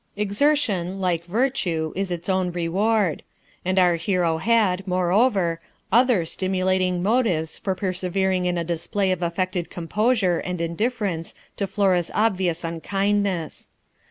Exertion, like virtue, is its own reward; and our hero had, moreover, other stimulating motives for persevering in a display of affected composure and indifference to Flora's obvious unkindness.